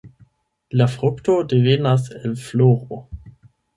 La frukto devenas el floro.